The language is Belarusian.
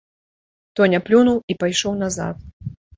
Тоня плюнуў і пайшоў назад.